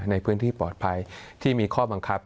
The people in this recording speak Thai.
ในพื้นที่ปลอดภัยที่มีข้อบังคับ